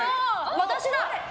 私だ！